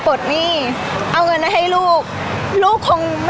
พี่ตอบได้แค่นี้จริงค่ะ